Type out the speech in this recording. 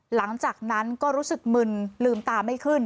หลังจากนั้นก็รู้สึกมึนลืมตาไม่ขึ้น